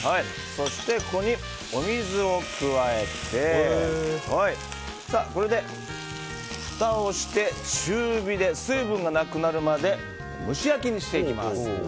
ここにお水を加えてこれでふたをして中火で水分がなくなるまで蒸し焼きにしていきます。